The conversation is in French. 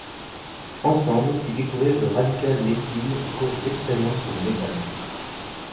Ensemble, ils découvrirent le radical méthyle au cours d'expériences sur le méthanol.